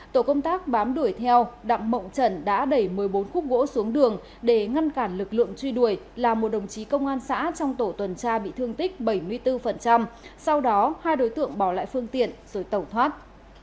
tổ công tác bám đuổi theo đặng mộng trần đã đẩy một mươi bốn khúc gỗ xuống đường để ngăn cản lực lượng truy đuổi làm một đồng chí công an xã trong tổ tuần tra bị thương tích bảy mươi bốn sau đó hai đối tượng bỏ lại phương tiện rồi tẩu thoát